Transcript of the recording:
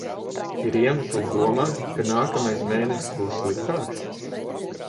Ir iemesls domāt, ka nākamais mēnesis būs sliktāks?